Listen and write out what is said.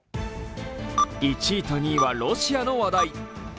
１位と２位はロシアの話題。